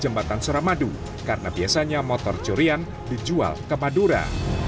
jembatan suramadu karena biasanya motor curian dijual ke madura